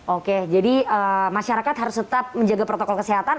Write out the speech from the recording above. oke jadi masyarakat harus tetap menjaga protokol kesehatan